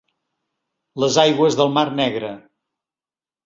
Les aigües del mar Negre.